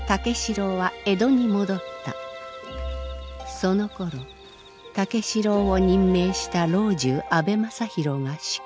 そのころ武四郎を任命した老中阿部正弘が死去。